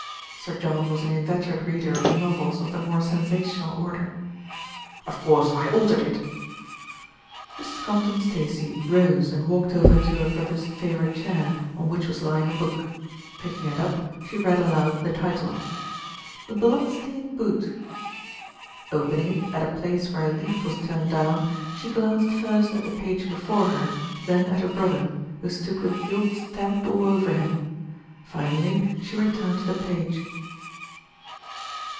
Sir John was an inveterate reader of novels of the more sensational order. "Of course I altered it." Mrs. Compton Stacey rose and walked over to her brother's favourite chair, on which was lying a book. Picking it up, she read aloud the title, "The Blood stained Boot." Opening it at a place where a leaf was turned down, she glanced first at the page before her, then at her brother, who stood with guilt stamped all over him. Finally she returned to the page.